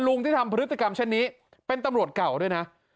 ที่ทำพฤติกรรมเช่นนี้เป็นตำรวจเก่าด้วยนะ